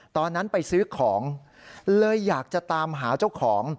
ตอนนั้นไปซื้อของเลยอยากจะตามหาเจ้าของ